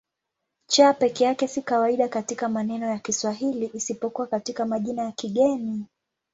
C peke yake si kawaida katika maneno ya Kiswahili isipokuwa katika majina ya kigeni.